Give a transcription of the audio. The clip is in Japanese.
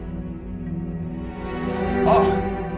あっ！